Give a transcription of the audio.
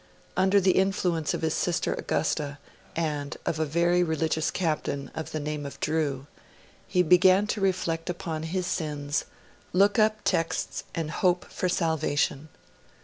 Under the influence of his sister Augusta and of a 'very religious captain of the name of Drew', he began to reflect upon his sins, look up texts, and hope for salvation.